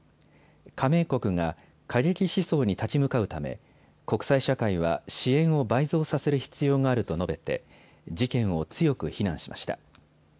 加盟国が過激思想に立ち向かうため国際社会は支援を倍増させる必要があると述べて事件を強く非難しました。